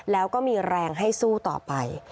แล้วก็มีแรงให้สู้ต่อไป